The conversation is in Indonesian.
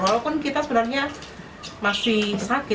walaupun kita sebenarnya masih sakit